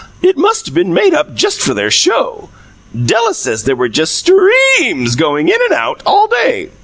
"It must have been made up just for their 'show.' Della says there were just STREAMS going in and out all day.